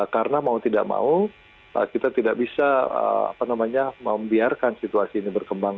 karena mau tidak mau kita tidak bisa membiarkan situasi ini berkembang